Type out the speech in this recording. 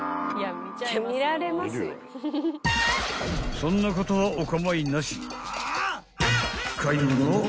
［そんなことはお構いなしに］